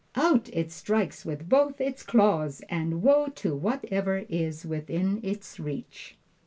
out it strikes with both its claws, and woe to whatever is within its reach!